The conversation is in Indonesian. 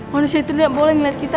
manusia itu gak boleh ngeliat kita